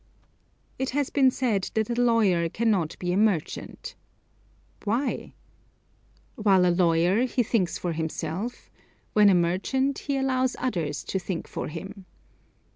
It has been said that a lawyer cannot be a merchant. Why? While a lawyer he thinks for himself: When a merchant he allows others to think for him.